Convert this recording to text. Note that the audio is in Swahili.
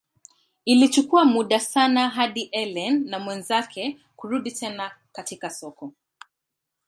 Ilichukua muda sana hadi Ellen na mwenzake kurudi tena katika soko.